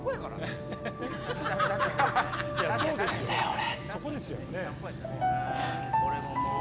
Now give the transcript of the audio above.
俺。